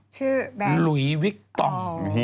ชื่อแบรนด์อ๋อนี่ไงลุยวิคตอม